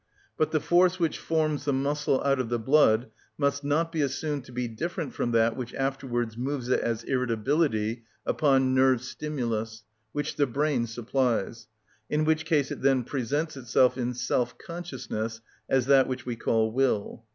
But the force which forms the muscle out of the blood must not be assumed to be different from that which afterwards moves it as irritability, upon nerve stimulus, which the brain supplies; in which case it then presents itself in self consciousness as that which we call will.